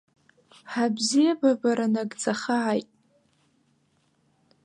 Ҳабзиеибабара нагӡахааит.